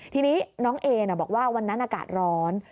ทีนี้น้องเอบอกว่าวันนั้นอากาศร้อน